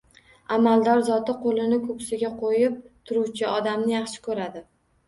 Amaldor zoti qo‘lini ko‘ksiga qo‘yib turuvchi odamni yaxshi ko‘radi.